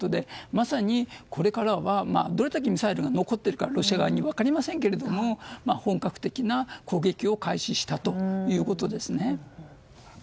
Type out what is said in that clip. まさに、これからはどれだけミサイルが残っているかロシア側に、分かりませんが本格的な攻撃を開始したということですね。